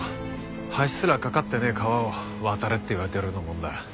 橋すら架かってねえ川を渡れって言われてるようなもんだ。